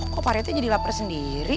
kok pak rete jadi lapar sendiri